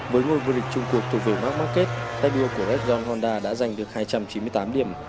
với ngôi vua địch chung cuộc thuộc về mark marquez tay đua của red john honda đã giành được hai trăm chín mươi tám điểm